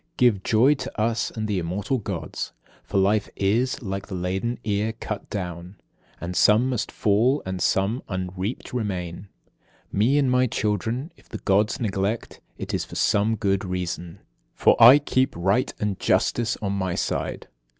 39. Give joy to us and to the immortal Gods. 40. For life is, like the laden ear, cut down; And some must fall and some unreaped remain. 41. Me and my children, if the Gods neglect, It is for some good reason. 42. For I keep right and justice on my side.